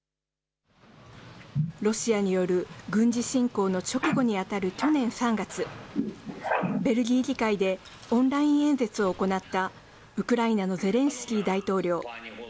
ロシアによる軍事侵攻の直後に当たる去年３月、ベルギー議会でオンライン演説を行ったウクライナのゼレンスキー大統領。